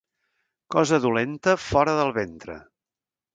Cosa dolenta, fora del ventre.